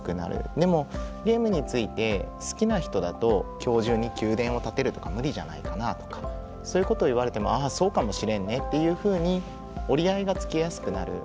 でもゲームについて好きな人だと「今日中に宮殿を建てるとか無理じゃないかな」とかそういうことを言われてもあそうかもしれんねっていうふうに折り合いがつきやすくなる。